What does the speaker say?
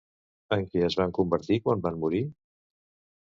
En què es van convertir quan van morir?